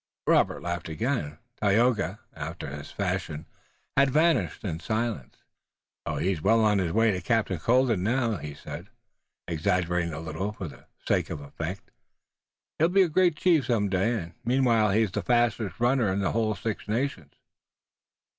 Robert laughed again. Tayoga, after his fashion, had vanished in silence. "He's well on his way to Captain Colden now," he said, exaggerating a little for the sake of effect. "He'll be a great chief some day, and meanwhile he's the fastest runner in the whole Six Nations."